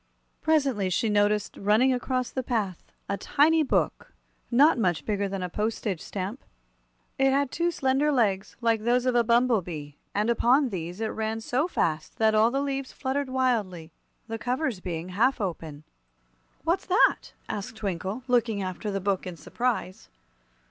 Presently she noticed running across the path a tiny Book, not much bigger than a postage stamp. It had two slender legs, like those of a bumble bee, and upon these it ran so fast that all the leaves fluttered wildly, the covers being half open. "What's that?" asked Twinkle, looking after the book in surprise.